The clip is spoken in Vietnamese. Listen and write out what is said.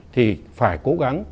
thì phải cố gắng